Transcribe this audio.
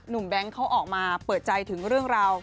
แบงค์เขาออกมาเปิดใจถึงเรื่องราว